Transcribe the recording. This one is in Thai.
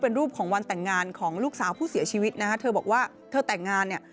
เป็นรูปของวันแต่งงานของลูกสาวผู้เสียชีวิตนะฮะเธอบอกว่าเธอแต่งงานเนี่ย